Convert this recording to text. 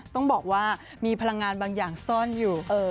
ต้องบอกว่ามีพลังงานบางอย่างซ่อนอยู่